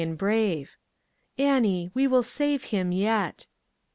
and brave: "Annie, we will save him yet."